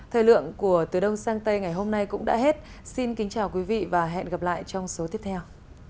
thời lượng của từ đông sang tây ngày hôm nay cũng đã hết xin kính chào quý vị và hẹn gặp lại trong số tiếp theo